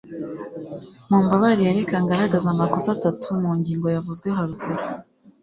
mumbabarire, reka ngaragaze amakosa atatu mu ngingo yavuzwe haruguru